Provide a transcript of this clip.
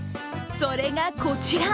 それがこちら。